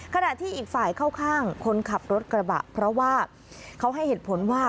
ขณะที่อีกฝ่ายเข้าข้างคนขับรถกระบะเพราะว่าเขาให้เหตุผลว่า